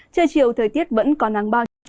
trời chiều thời tiết vẫn còn nắng bao nhiêu